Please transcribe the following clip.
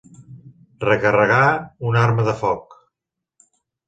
Recarregar una arma de foc.